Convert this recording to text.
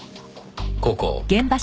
ここ。